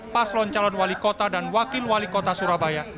pas loncalon wali kota dan wakil wali kota surabaya